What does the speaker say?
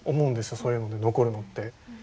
そういうので残るのって。